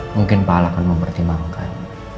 mungkin pak ala akan mempertimbangkan